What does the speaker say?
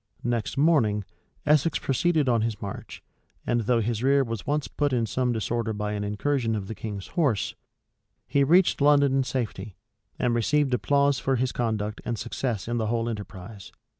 Next morning, Essex proceeded on his march; and though his rear was once put in some disorder by an incursion of the king's horse, he reached London in safety, and received applause for his conduct and success in the whole enterprise.